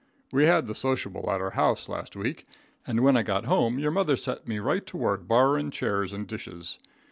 We had the sociable at our house last week, and when I got home your mother set me right to work borryin' chairs and dishes.